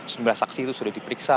sebelah saksi itu sudah diperiksa